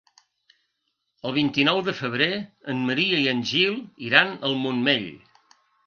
El vint-i-nou de febrer en Maria i en Gil iran al Montmell.